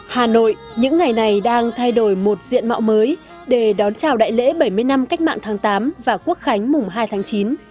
hà nội những ngày này đang thay đổi một diện mạo mới để đón chào đại lễ bảy mươi năm cách mạng tháng tám và quốc khánh mùng hai tháng chín